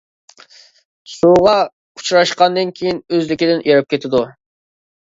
سۇغا ئۇچراشقاندىن كېيىن ئۆزلۈكىدىن ئېرىپ كېتىدۇ.